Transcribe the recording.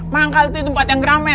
manggal itu tempat yang ramai